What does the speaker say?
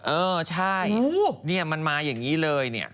เออใช่นี่มันมาอย่างนี้เลยเนี่ย